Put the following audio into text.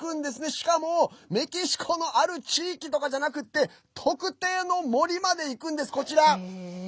しかも、メキシコのある地域とかではなくて特定の森まで行くんです。